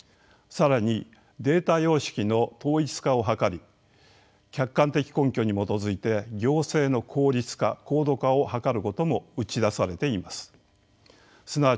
更にデータ様式の統一化を図り客観的根拠に基づいて行政の効率化・高度化を図ることも打ち出されています。